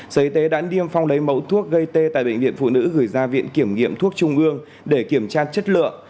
sở y tế đã niêm phong lấy mẫu thuốc gây tê tại bệnh viện phụ nữ gửi ra viện kiểm nghiệm thuốc trung ương để kiểm tra chất lượng